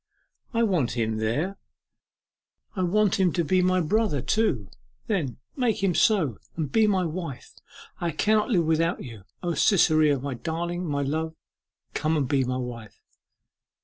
I want him there: I want him to be my brother, too. Then make him so, and be my wife! I cannot live without you. O Cytherea, my darling, my love, come and be my wife!